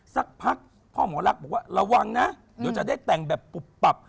สักพักพ่อหมอลักษณ์บอกว่าระวังนะเดี๋ยวจะได้แต่งแบบปุบปับ